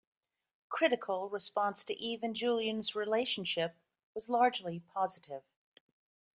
Critical response to Eve and Julian's relationship was largely positive.